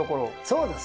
そうです